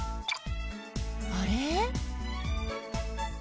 あれ？